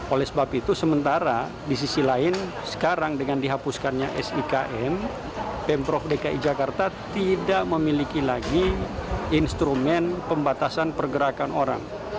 oleh sebab itu sementara di sisi lain sekarang dengan dihapuskannya sikm pemprov dki jakarta tidak memiliki lagi instrumen pembatasan pergerakan orang